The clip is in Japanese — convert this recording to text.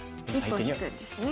一歩引くんですね。